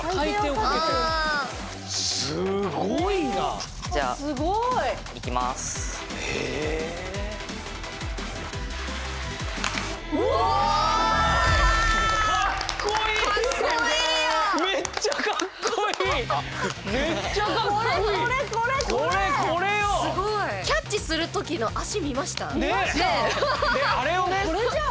もうこれじゃん。